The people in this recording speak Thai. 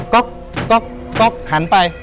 ก๊อกก๊อกให้หันไป